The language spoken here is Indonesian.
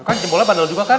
kan jempolnya bandel juga kan